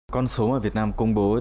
con số mà việt nam công bố thì